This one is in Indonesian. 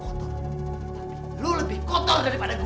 tapi lu lebih kotor daripada gue